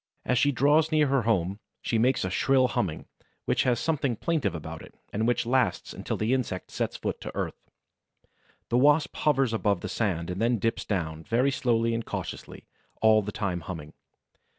As she draws near her home, she makes a shrill humming, which has something plaintive about it and which lasts until the insect sets foot to earth. The Wasp hovers above the sand and then dips down, very slowly and cautiously, all the time humming.